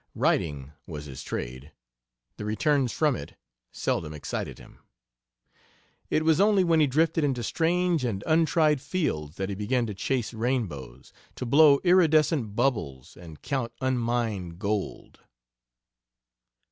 Writing was his trade; the returns from it seldom excited him. It was only when he drifted into strange and untried fields that he began to chase rainbows, to blow iridescent bubbles, and count unmined gold.